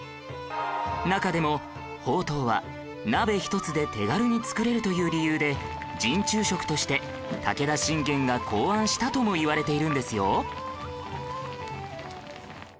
中でもほうとうは鍋一つで手軽に作れるという理由で陣中食として武田信玄が考案したともいわれているんですよ